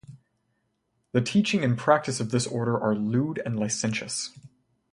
The teaching and practice of this order are lewd and licentious.